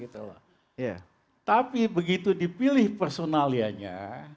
tapi begitu dipilih personalianya